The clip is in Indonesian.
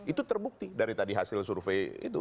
itu terbukti dari tadi hasil survei itu